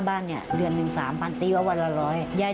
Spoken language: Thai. สวัสดีค่ะสวัสดีค่ะ